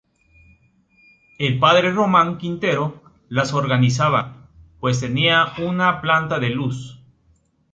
El padre Ramón Quintero las organizaba, pues tenía una planta de luz.